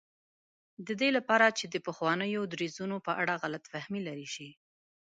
د دې لپاره چې د پخوانیو دریځونو په اړه غلط فهمي لرې شي.